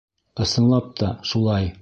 — Ысынлап та, шулай.